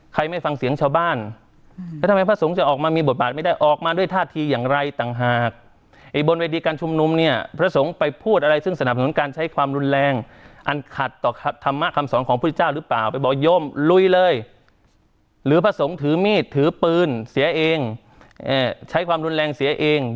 ไม่ฟังเสียงชาวบ้านแล้วทำไมพระสงฆ์จะออกมามีบทบาทไม่ได้ออกมาด้วยท่าทีอย่างไรต่างหากไอ้บนเวทีการชุมนุมเนี่ยพระสงฆ์ไปพูดอะไรซึ่งสนับสนุนการใช้ความรุนแรงอันขัดต่อธรรมะคำสอนของพุทธเจ้าหรือเปล่าไปบอกโยมลุยเลยหรือพระสงฆ์ถือมีดถือปืนเสียเองใช้ความรุนแรงเสียเอง